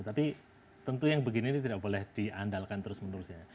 tapi tentu yang begini ini tidak boleh diandalkan terus menerus ya